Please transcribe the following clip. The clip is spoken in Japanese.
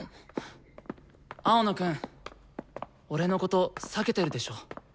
青野くん俺のこと避けてるでしょ？